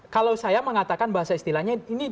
kalau saya mengatakan bahasa istilahnya ini